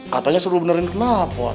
katanya suruh benerin kenapa